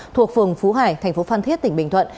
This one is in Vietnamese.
thuộc phường phú hải tp phan thiết tp bình thuận